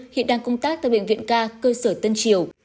hiện đang công tác tại bệnh viện ca cơ sở tân triều